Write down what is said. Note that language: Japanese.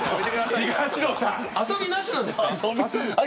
遊びなしなんですね。